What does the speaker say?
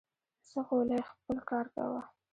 ځه غولی خپل کار کوه